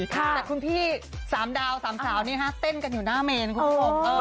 แต่คุณพี่๓ดาว๓สาวนี้เต้นกันอยู่หน้าเมนคุณผู้ชม